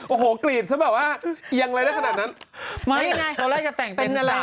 โอ้โหกรีชฉันบอกว่าเอียงอะไรได้ขนาดนั้นเป็นแบบอะไร